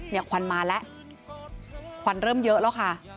ควันมาแล้วควันเริ่มเยอะแล้วค่ะ